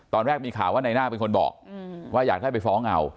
ตอนแรกมีข่าวว่าในหน้าเป็นคนบอกว่าอยากได้ไปฟ้องเอา